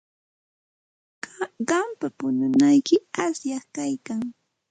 Qampa pununayki asyaqmi kaykan.